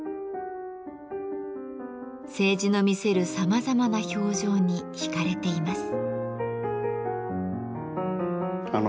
青磁の見せるさまざまな表情に引かれています。